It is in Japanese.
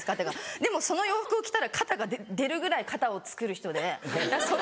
でもその洋服を着たら肩が出るぐらい肩をつくる人で。